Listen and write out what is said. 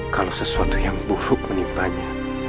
kalau sesuatu yang buruk menimpanya